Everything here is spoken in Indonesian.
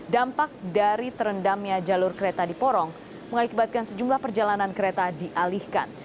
dampak dari terendamnya jalur kereta di porong mengakibatkan sejumlah perjalanan kereta dialihkan